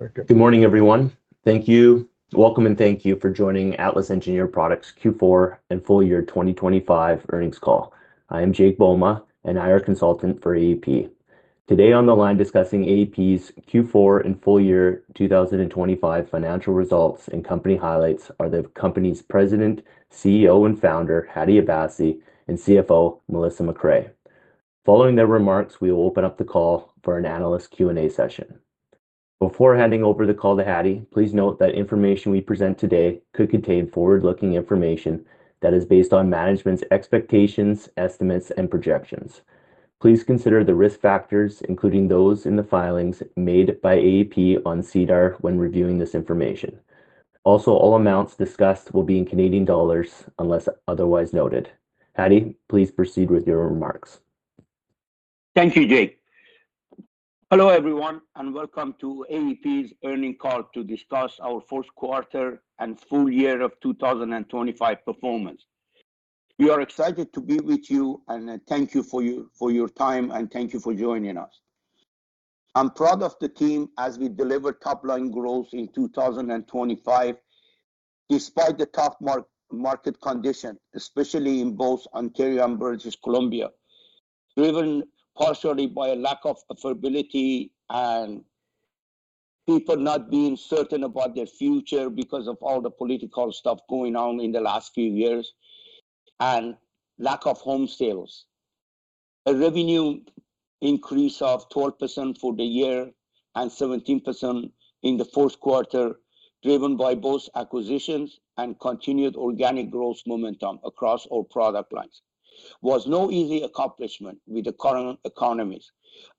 Good morning, everyone. Thank you. Welcome and thank you for joining Atlas Engineered Products Q4 and full year 2025 earnings call. I am Jake Bouma, an IR consultant for AEP. Today on the line discussing AEP's Q4 and full year 2025 financial results and company highlights are the company's President, CEO, and Founder, Hadi Abassi, and CFO, Melissa MacRae. Following their remarks, we will open up the call for an analyst Q&A session. Before handing over the call to Hadi, please note that information we present today could contain forward-looking information that is based on management's expectations, estimates, and projections. Please consider the risk factors, including those in the filings made by AEP on SEDAR when reviewing this information. Also, all amounts discussed will be in Canadian dollars unless otherwise noted. Hadi, please proceed with your remarks. Thank you, Jake. Hello, everyone, and welcome to AEP's earnings call to discuss our fourth quarter and full year of 2025 performance. We are excited to be with you, and thank you for your time, and thank you for joining us. I'm proud of the team as we deliver top-line growth in 2025 despite the tough market condition, especially in both Ontario and British Columbia, driven partially by a lack of affordability and people not being certain about their future because of all the political stuff going on in the last few years and lack of home sales. A revenue increase of 12% for the year and 17% in the fourth quarter, driven by both acquisitions and continued organic growth momentum across all product lines, was no easy accomplishment with the current economies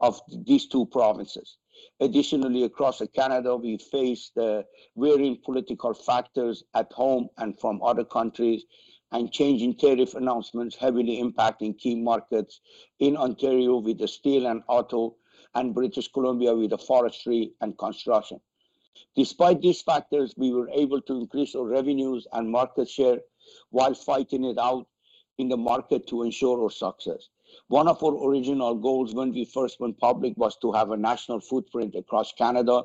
of these two provinces. Additionally, across Canada, we face the varying political factors at home and from other countries and changing tariff announcements heavily impacting key markets in Ontario with the steel and auto and British Columbia with the forestry and construction. Despite these factors, we were able to increase our revenues and market share while fighting it out in the market to ensure our success. One of our original goals when we first went public was to have a national footprint across Canada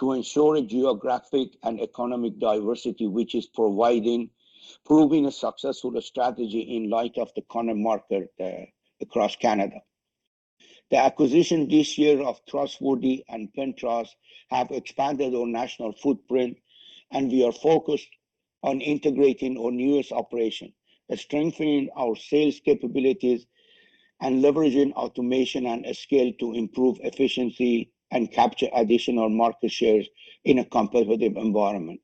to ensure a geographic and economic diversity which is proving a successful strategy in light of the current market across Canada. The acquisition this year of Truss-Worthy and Penn-Truss have expanded our national footprint. We are focused on integrating our newest operation, strengthening our sales capabilities, and leveraging automation and scale to improve efficiency and capture additional market shares in a competitive environment.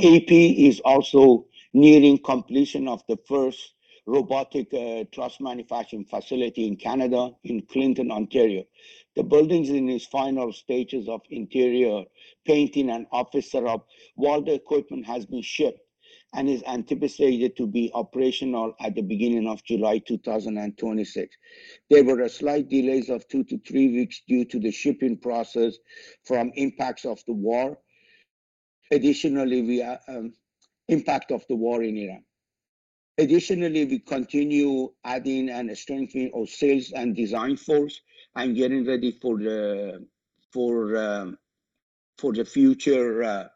AEP is also nearing completion of the first robotic truss manufacturing facility in Canada in Clinton, Ontario. The building's in its final stages of interior painting and office setup while the equipment has been shipped and is anticipated to be operational at the beginning of July 2026. There were slight delays of two-three weeks due to the shipping process from impacts of the war. Impact of the war in Iran. Additionally, we continue adding and strengthening our sales and design force and getting ready for the future,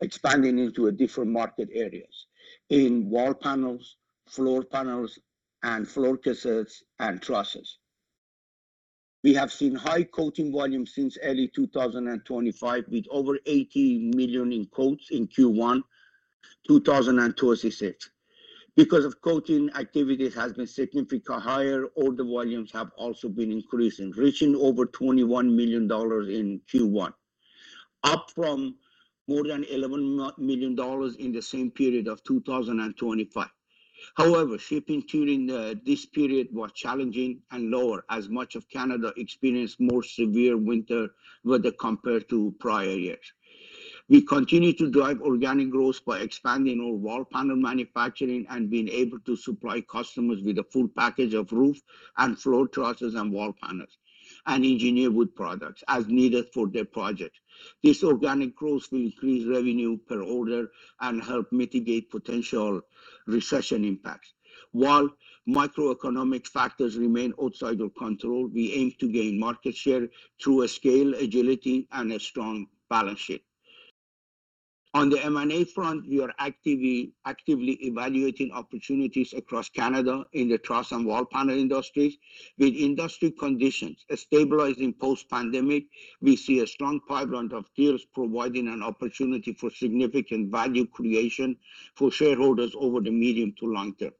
expanding into different market areas in Wall Panels, Floor Panels, and Floor Trusses and Trusses. We have seen high coating volume since early 2025 with over 80 million in quotes in Q1 2026. Because of coating activities has been significantly higher, order volumes have also been increasing, reaching over 21 million dollars in Q1, up from more than 11 million dollars in the same period of 2025. However, shipping during this period was challenging and lower as much of Canada experienced more severe winter weather compared to prior years. We continue to drive organic growth by expanding our wall panel manufacturing and being able to supply customers with a full package of roof and floor trusses and wall panels and engineered wood products as needed for their project. This organic growth will increase revenue per order and help mitigate potential recession impacts. While macroeconomic factors remain outside our control, we aim to gain market share through a scale, agility, and a strong balance sheet. On the M&A front, we are actively evaluating opportunities across Canada in the truss and wall panel industries. With industry conditions stabilizing post-pandemic, we see a strong pipeline of deals providing an opportunity for significant value creation for shareholders over the medium to long term.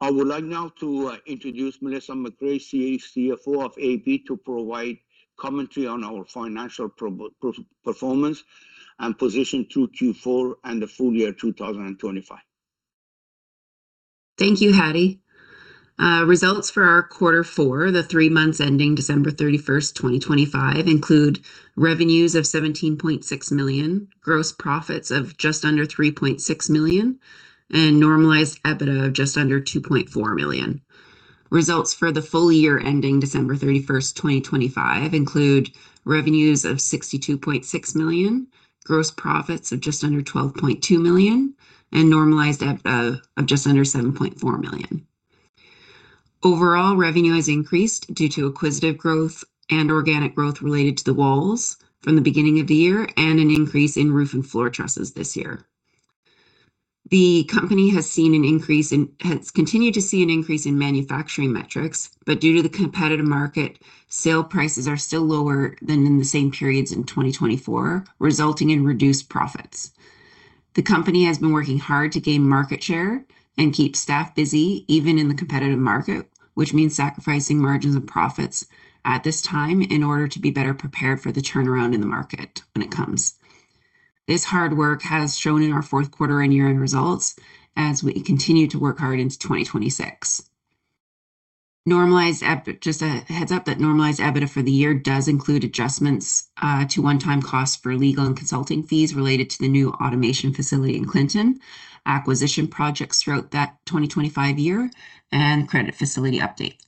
I would like now to introduce Melissa MacRae, CFO of AEP, to provide commentary on our financial performance and position through Q4 and the full year 2025. Thank you, Hadi. Results for our quarter four, the three months ending December 31st, 2025, include revenues of 17.6 million, gross profits of just under 3.6 million, and Normalized EBITDA of just under 2.4 million. Results for the full year ending December 31st, 2025, include revenues of 62.6 million, gross profits of just under 12.2 million, and Normalized EBITDA of just under 7.4 million. Overall revenue has increased due to acquisitive growth and organic growth related to the walls from the beginning of the year and an increase in roof and floor trusses this year. The company has continued to see an increase in manufacturing metrics, but due to the competitive market, sale prices are still lower than in the same periods in 2024, resulting in reduced profits. The company has been working hard to gain market share and keep staff busy even in the competitive market, which means sacrificing margins and profits at this time in order to be better prepared for the turnaround in the market when it comes. This hard work has shown in our fourth quarter and year-end results as we continue to work hard into 2026. Normalized EBITDA. Just a heads up that Normalized EBITDA for the year does include adjustments to one-time costs for legal and consulting fees related to the new automation facility in Colborne, acquisition projects throughout that 2025 year, and credit facility updates.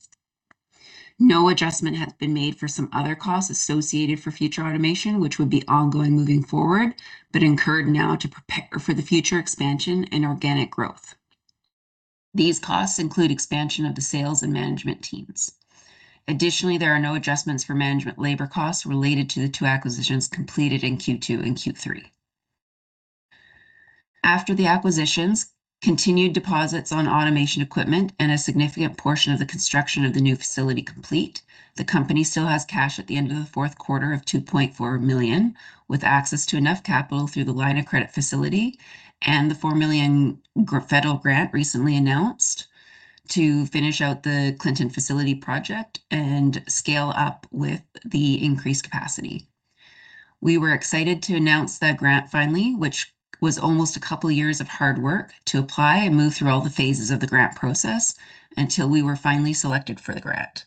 No adjustment has been made for some other costs associated for future automation, which would be ongoing moving forward, but incurred now to prepare for the future expansion and organic growth. These costs include expansion of the sales and management teams. There are no adjustments for management labor costs related to the two acquisitions completed in Q2 and Q3. After the acquisitions, continued deposits on Automation equipment and a significant portion of the construction of the new facility complete, the company still has cash at the end of the fourth quarter of 2.4 million, with access to enough capital through the line of credit facility and the 4 million federal grant recently announced to finish out the Colborne facility project and scale up with the increased capacity. We were excited to announce that grant finally, which was almost two years of hard work to apply and move through all the phases of the grant process until we were finally selected for the grant.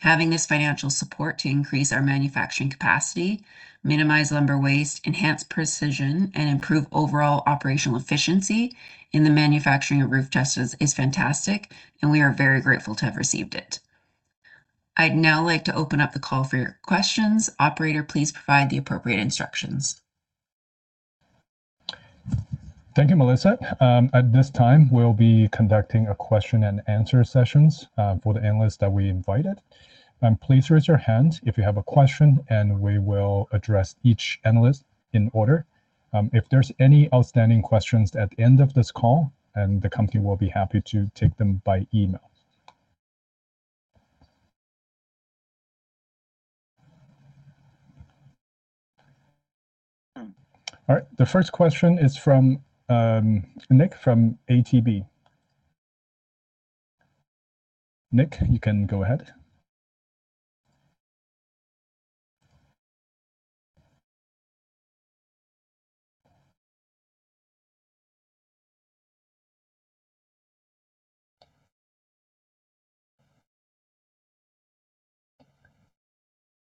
Having this financial support to increase our manufacturing capacity, minimize lumber waste, enhance precision, and improve overall operational efficiency in the manufacturing of roof trusses is fantastic, and we are very grateful to have received it. I'd now like to open up the call for your questions. Operator, please provide the appropriate instructions. Thank you, Melissa. At this time, we'll be conducting a question and answer session for the analysts that we invited. Please raise your hand if you have a question, and we will address each analyst in order. If there's any outstanding questions at the end of this call, the company will be happy to take them by email. All right. The first question is from Nick from ATB. Nick, you can go ahead.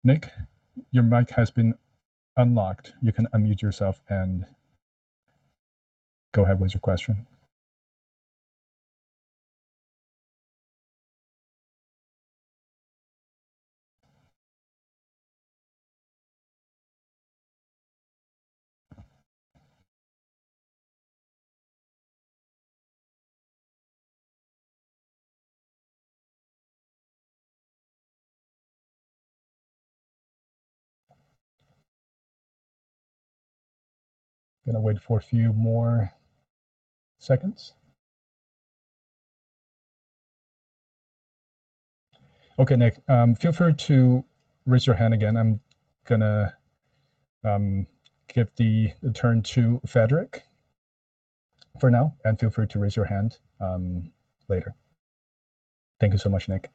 Nick, your mic has been unlocked. You can unmute yourself and go ahead with your question. Gonna wait for a few more seconds. Okay, Nick, feel free to raise your hand again. I'm gonna give the turn to Frederic for now, and feel free to raise your hand later. Thank you so much, Nick.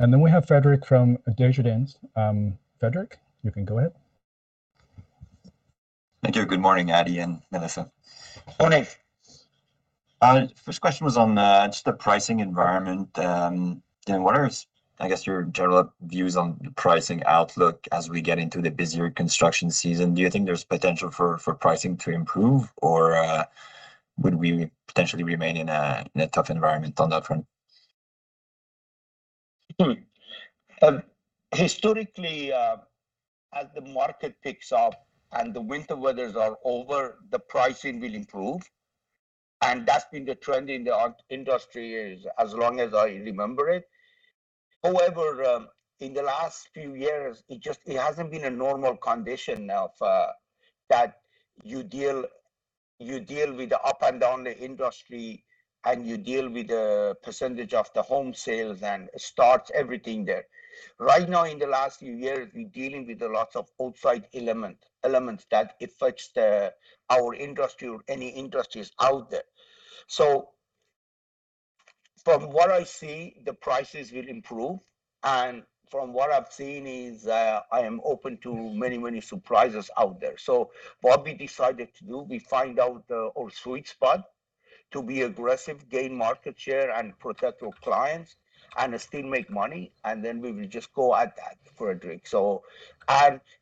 We have Frederic from Desjardins. Frederic, you can go ahead. Thank you. Good morning, Hadi and Melissa. Morning. First question was on just the pricing environment. What are I guess your general views on the pricing outlook as we get into the busier construction season? Do you think there's potential for pricing to improve or would we potentially remain in a tough environment on that front? Historically, as the market picks up and the winter weathers are over, the pricing will improve. That's been the trend in the industry as long as I remember it. In the last few years, it just, it hasn't been a normal condition now that you deal with the up and down the industry, and you deal with the percentage of the home sales and starts everything there. Right now, in the last few years, we're dealing with a lot of outside elements that affects our industry or any industries out there. From what I see, the prices will improve, and from what I've seen is, I am open to many surprises out there. What we decided to do, we find out, our sweet spot to be aggressive, gain market share, and protect our clients and still make money, then we will just go at that, Frederic.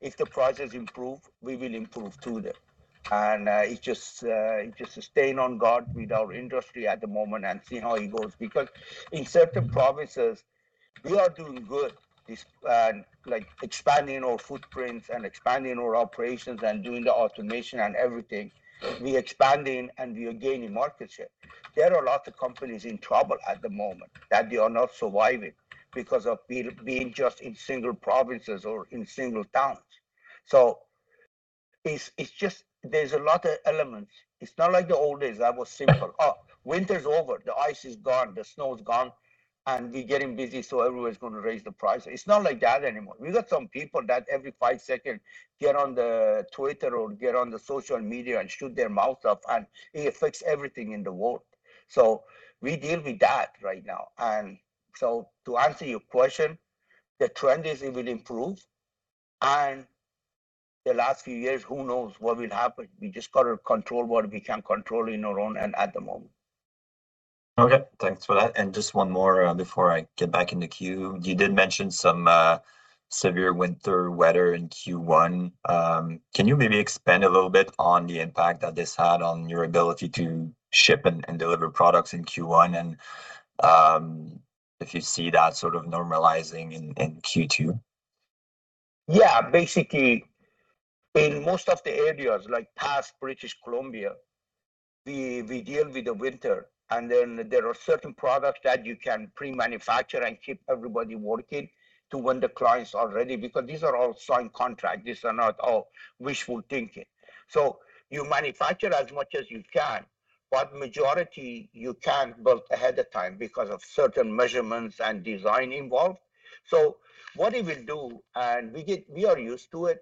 If the prices improve, we will improve too then. It's just, it's just staying on guard with our industry at the moment and see how it goes. Because in certain provinces We are doing good. This, like expanding our footprints and expanding our operations and doing the automation and everything. We expanding and we are gaining market share. There are lots of companies in trouble at the moment that they are not surviving because of being just in single provinces or in single towns. It's, it's just there's a lot of elements. It's not like the old days. That was simple. Winter's over. The ice is gone. The snow's gone, and we getting busy, everyone's gonna raise the price. It's not like that anymore. We got some people that every five second get on the Twitter or get on the social media and shoot their mouth off, and it affects everything in the world. We deal with that right now. To answer your question, the trend is it will improve. The last few years, who knows what will happen? We just got to control what we can control in our own end at the moment. Okay. Thanks for that. Just one more before I get back in the queue. You did mention some severe winter weather in Q1. Can you maybe expand a little bit on the impact that this had on your ability to ship and deliver products in Q1 and if you see that sort of normalizing in Q2? Basically, in most of the areas, like past British Columbia, we deal with the winter, and then there are certain products that you can pre-manufacture and keep everybody working to when the clients are ready because these are all signed contract. These are not all wishful thinking. You manufacture as much as you can, but majority you can't build ahead of time because of certain measurements and design involved. What we will do, we are used to it.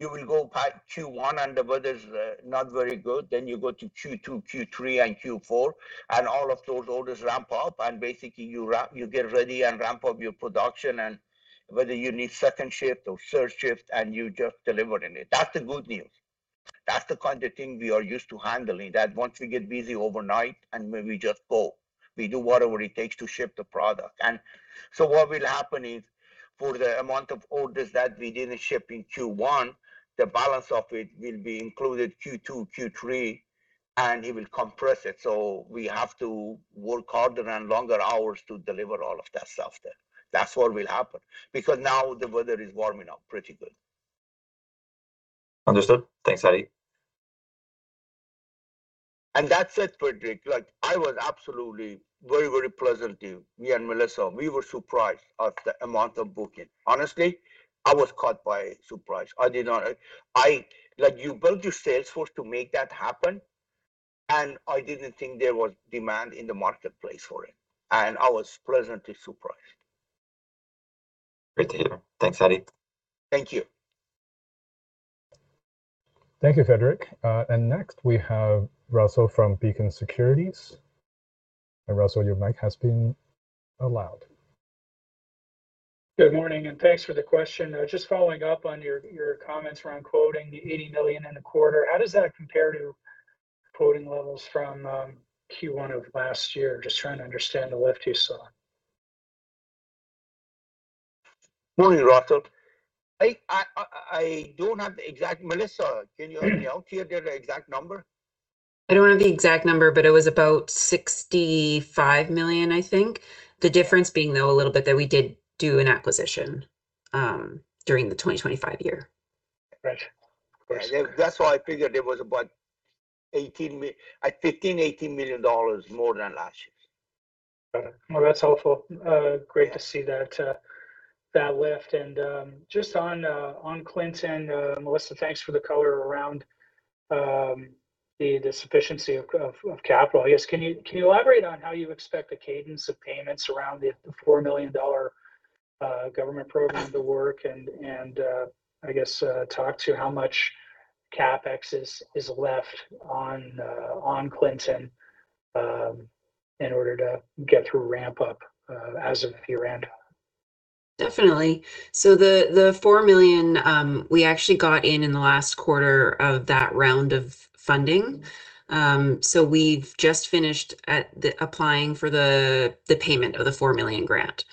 You will go back Q1 and the weather's not very good. You go to Q2, Q3, and Q4, and all of those orders ramp up, and basically you get ready and ramp up your production and whether you need second shift or third shift, and you just deliver in it. That's the good news. That's the kind of thing we are used to handling, that once we get busy overnight and we just go. We do whatever it takes to ship the product. What will happen is for the amount of orders that we didn't ship in Q1, the balance of it will be included Q2, Q3, and it will compress it. We have to work harder and longer hours to deliver all of that stuff there. That's what will happen because now the weather is warming up pretty good. Understood. Thanks, Hadi. That said, Frederic, like, I was absolutely very, very pleasant to me and Melissa. We were surprised at the amount of booking. Honestly, I was caught by surprise. Like, you build your sales force to make that happen, and I didn't think there was demand in the marketplace for it, and I was pleasantly surprised. Great to hear. Thanks, Hadi. Thank you. Thank you, Frederic. Next we have Russell from Beacon Securities. Russell, your mic has been allowed. Good morning. Thanks for the question. Just following up on your comments around quoting the 80 million in the quarter, how does that compare to quoting levels from Q1 of last year? Just trying to understand the lift you saw. Morning, Russell. I don't have the exact. Melissa, can you help me out here, the exact number? I don't have the exact number, but it was about 65 million, I think. Yeah. The difference being, though, a little bit that we did do an acquisition during the 2025 year. Right. Of course. Yeah. That's why I figured it was about 15 million-18 million dollars more than last year. Got it. Well, that's helpful. Great to see that lift. Just on Colborne, Melissa, thanks for the color around the sufficiency of capital. I guess, can you elaborate on how you expect the cadence of payments around the 4 million dollar government program to work and, I guess, talk to how much CapEx is left on Colborne in order to get through ramp up as of year-end? Definitely. The 4 million, we actually got in in the last quarter of that round of funding. We've just finished applying for the payment of the 4 million grant.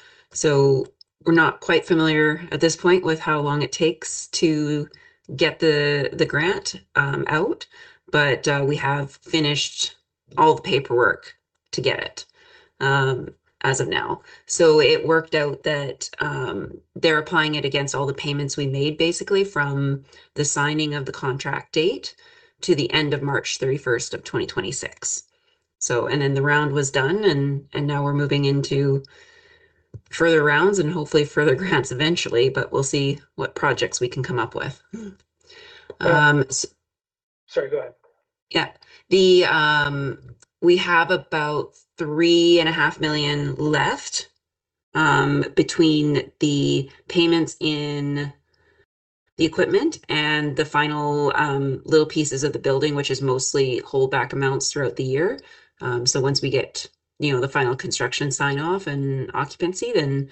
We're not quite familiar at this point with how long it takes to get the grant out. We have finished all the paperwork to get it as of now. It worked out that they're applying it against all the payments we made basically from the signing of the contract date to the end of March 31st of 2026. The round was done, and now we're moving into further rounds and hopefully further grants eventually, but we'll see what projects we can come up with. Sorry, go ahead. Yeah. We have about 3.5 million left between the payments in the equipment and the final little pieces of the building, which is mostly hold-back amounts throughout the year. Once we get, you know, the final construction sign-off and occupancy, then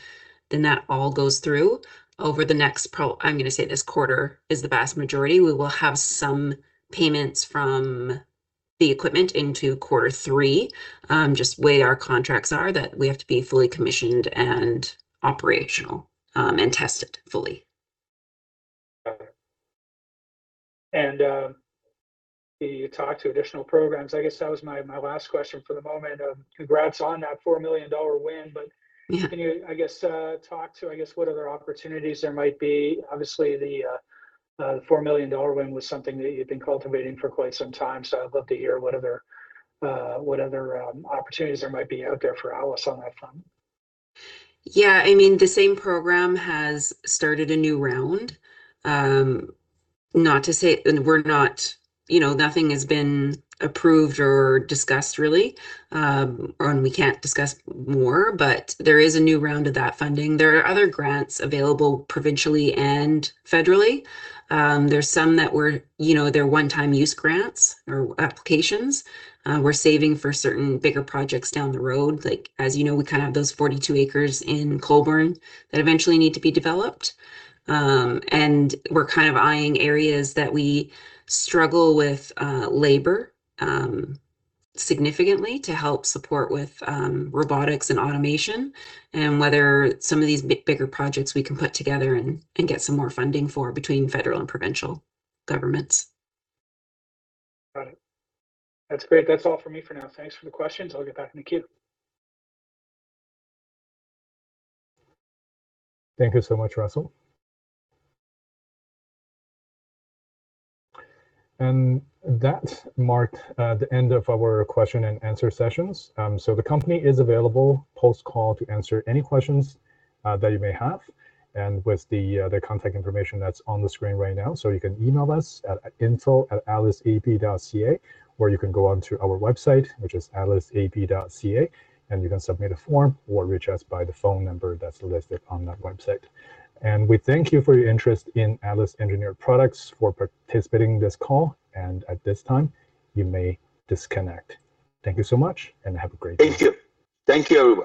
that all goes through. Over the next, I'm going to say this quarter is the vast majority. We will have some payments from the equipment into quarter 3, just the way our contracts are that we have to be fully commissioned and operational and tested fully. Can you talk to additional programs? I guess that was my last question for the moment. Congrats on that 4 million dollar win. Yeah. Can you, I guess, talk to, I guess, what other opportunities there might be? Obviously, the 4 million dollar win was something that you've been cultivating for quite some time. I'd love to hear what other, what other opportunities there might be out there for Atlas on that front. Yeah, I mean, the same program has started a new round. We're not, you know, nothing has been approved or discussed really, or we can't discuss more, but there is a new round of that funding. There are other grants available provincially and federally. There's some that were, you know, they're one-time use grants or applications. We're saving for certain bigger projects down the road. Like, as you know, we kind of have those 42 acres in Colborne that eventually need to be developed. We're kind of eyeing areas that we struggle with, labor, significantly to help support with, robotics and automation, whether some of these bigger projects we can put together and get some more funding for between federal and provincial governments. Got it. That's great. That's all from me for now. Thanks for the questions. I'll get back in the queue. Thank you so much, Russell. That marked the end of our question and answer sessions. The company is available post-call to answer any questions that you may have, and with the contact information that's on the screen right now. You can email us at info@atlasap.ca, or you can go onto our website, which is atlasap.ca, and you can submit a form or reach us by the phone number that's listed on that website. We thank you for your interest in Atlas Engineered Products, for participating in this call, and at this time you may disconnect. Thank you so much, and have a great day. Thank you. Thank you, everyone.